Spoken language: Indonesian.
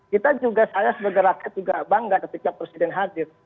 kita juga saya sebagai rakyat juga bangga ketika presiden hadir